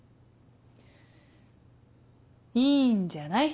いいんじゃない。